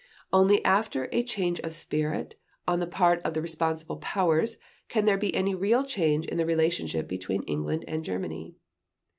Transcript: Only after a change of spirit on the part of the responsible Powers can there be any real change in the relationship between England and Germany."